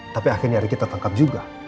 tapi akhirnya ricky tertangkap juga